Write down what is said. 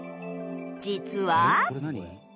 実は